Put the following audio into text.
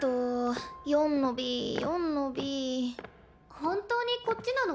本当にこっちなの？